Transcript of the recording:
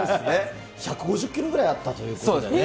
１５０キロぐらいあったということでね。